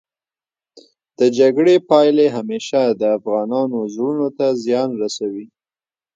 د جګړې پايلې همېشه د افغانانو زړونو ته زیان رسوي.